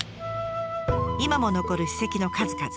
今も残る史跡の数々。